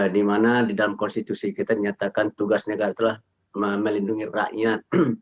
dimana di dalam konstitusi kita nyatakan tugas negara itulah melindungi rakyat